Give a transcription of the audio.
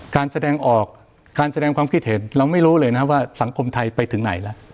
การแสดงออกการแสดงความคิดเห็นเราไม่รู้เลยนะว่าสังคมไทยไปถึงไหนแล้ว